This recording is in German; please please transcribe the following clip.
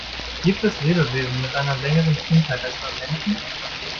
Gibt es Lebewesen mit einer längeren Kindheit als beim Menschen?